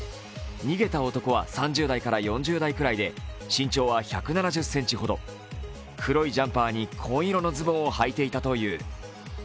逃げた男は３０代から４０代ぐらいで身長は１７０ｃｍほど黒いジャンパーに紺色のズボンをはいていたという。